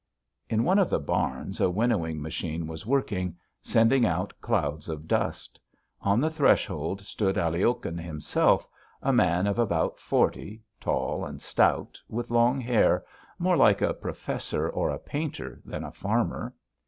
In one of the barns a winnowing machine was working, sending out clouds of dust. On the threshold stood Aliokhin himself, a man of about forty, tall and stout, with long hair, more like a professor or a painter than a farmer.